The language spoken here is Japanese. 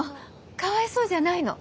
かわいそうじゃないの。